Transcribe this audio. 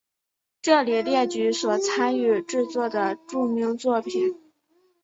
这里列举所参与制作的著名作品。